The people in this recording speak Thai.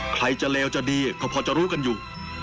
ใครจะเลวจะดีก็พอจะรู้กันอยู่